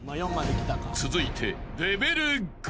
［続いて］